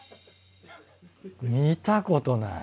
見たことない。